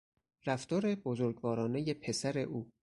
رفتار بزرگوارانهی پسر او